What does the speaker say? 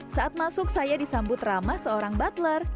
saat masuk saya disambut ramah seorang butler